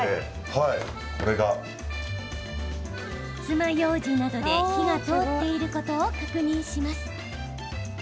つまようじなどで火が通っていることを確認します。